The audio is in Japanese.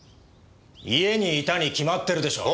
家にいたに決まってるでしょ。